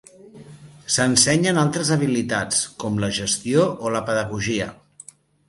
S'ensenyen altres habilitats, com la gestió o la pedagogia.